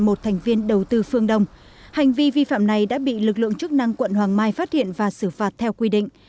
một thành viên đầu tư phương đông hành vi vi phạm này đã bị lực lượng chức năng quận hoàng mai phát hiện và xử phạt theo quy định